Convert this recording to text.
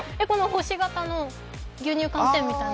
星型の牛乳寒天みたいな。